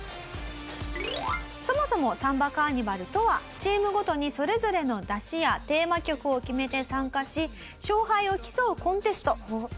そもそもサンバカーニバルとはチームごとにそれぞれの山車やテーマ曲を決めて参加し勝敗を競うコンテスト。